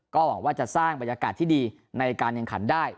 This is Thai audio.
ก็หวังว่าจะสร้างบรรยากาศที่ดีในการแข่งขันได้